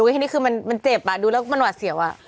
คนนี้คือมันมันเจ็บป่ะดูแล้วก็มันหวาดเสี่ยวอ่ะ